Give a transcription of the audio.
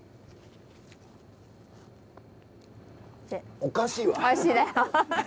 おかしいわ。